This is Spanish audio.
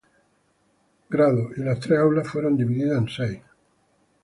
Grado y las tres aulas fueron divididas en seis.